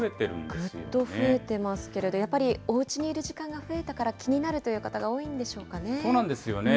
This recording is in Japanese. ぐっと増えていますけれども、やっぱりおうちにいる時間が増えたから、気になるという方が多いんでしょうかね。